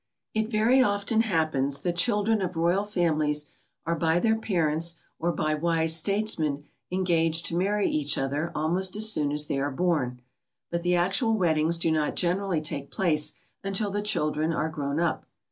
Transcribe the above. It very often happens that children of royal families are by their parents or by wise statesmen engaged to marry each other almost as soon as they are born, but the actual weddings do not generally take place until the children are grown up.